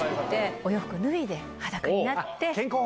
お洋服脱いで、裸になって。